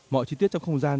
mọi chi tiết trong không gian